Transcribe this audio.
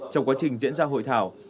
trong quá trình diễn ra hội thảo